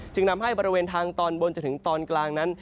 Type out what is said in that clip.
นำให้บริเวณทางตอนบนจนถึงตอนกลางนั้น